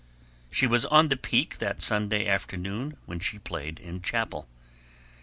She was on the peak that Sunday afternoon when she played in chapel.